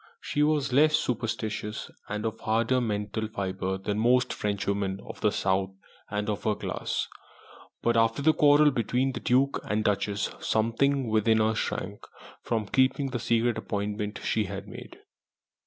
She was less superstitious and of harder mental fibre than most Frenchwomen of the south and of her class; but after the quarrel between the Duke and Duchess something within her shrank from keeping the secret appointment she had made.